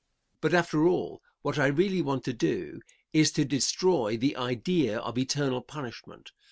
But, after all, what I really want to do is to destroy the idea of eternal punishment.